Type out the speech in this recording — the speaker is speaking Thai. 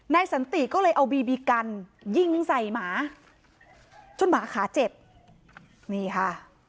สันติก็เลยเอาบีบีกันยิงใส่หมาจนหมาขาเจ็บนี่ค่ะ